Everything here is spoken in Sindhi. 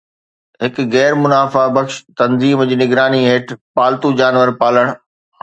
هڪ غير منافع بخش تنظيم جي نگراني هيٺ پالتو جانور پالڻ